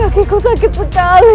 kakiku sakit sekali